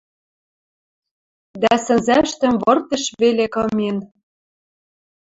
Дӓ сӹнзӓштӹм выртеш веле кымен